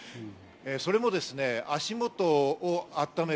それも足元をあっためる